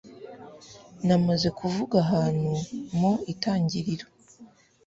namaze kuvuga ahantu mu itangiriro